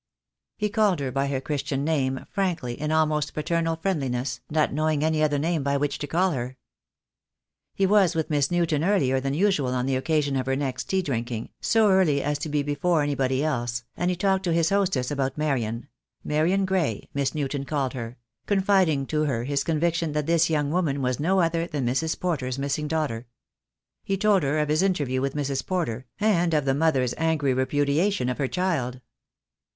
He called her by her Christian name, frankly, in almost paternal friendliness, not knowing any other name by which to call her. He was with Miss Newton earlier than usual on the occasion of her next tea drinking, so early as to be be fore anybody else, and he talked to his hostess about Marian — Marian Gray, Miss Newton called her — confiding to her his conviction that this young woman was no other than Mrs. Porter's missing daughter. He told her of his interview with Mrs. Porter, and of the mother's angry re pudiation of her child.